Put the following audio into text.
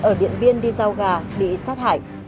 ở điện biên đi giao gà bị sát hại